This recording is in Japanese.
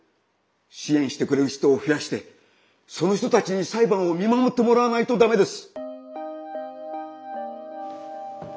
支援してくれる人を増やしてその人たちに裁判を見守ってもらわないとだめです。